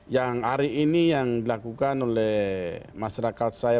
yang hari ini yang dilakukan oleh masyarakat saya